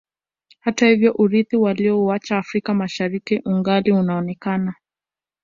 Hata hivyo urithi waliouacha Afrika Mashariki ungali unaonekana